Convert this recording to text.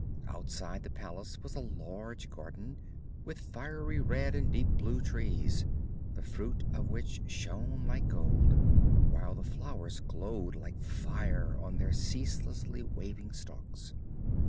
_] Outside the palace was a large garden, with fiery red and deep blue trees, the fruit of which shone like gold, while the flowers glowed like fire on their ceaselessly waving stalks.